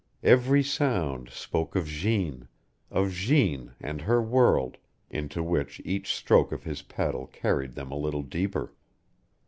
Every sound spoke of Jeanne of Jeanne and her world, into which each stroke of his paddle carried them a little deeper.